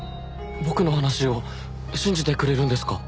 僕の話を信じてくれるんですか？